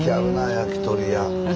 焼き鳥屋。